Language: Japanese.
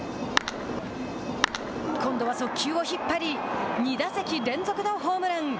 今度は速球を引っ張り２打席連続のホームラン。